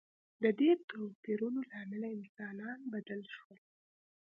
د دې توپیرونو له امله انسانان بدل شول.